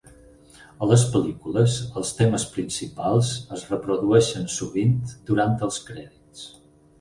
A les pel·lícules, els temes principals es reprodueixen sovint durant els crèdits.